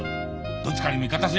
どっちかに味方すりゃ